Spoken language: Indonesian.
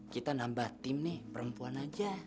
kita nambah tim nih perempuan aja